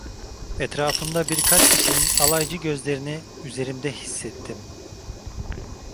Etrafımda birkaç kişinin alaycı gözlerini üzerimde hissettim.